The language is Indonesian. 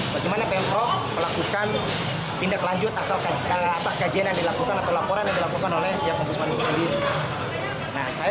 bagaimana pemprov melakukan tindak lanjut atas kajian yang dilakukan atau laporan yang dilakukan oleh pihak ombudsman itu sendiri